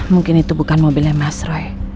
mungkin itu bukan mobilnya mas roy